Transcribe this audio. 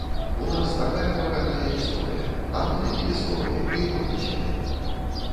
У нас такая багатая гісторыя, а мы такімі словамі плюём на сябе!